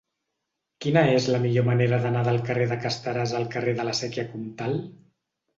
Quina és la millor manera d'anar del carrer de Casteràs al carrer de la Sèquia Comtal?